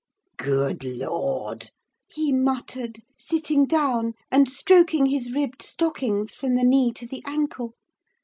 "Gooid Lord!" he muttered, sitting down, and stroking his ribbed stockings from the knee to the ankle.